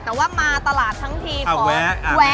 แต่ว่ามาตลาดทั้งทีขอแวะ